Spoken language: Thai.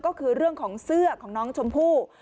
ก็คือเรื่องของเสื้อของน้องชมพู่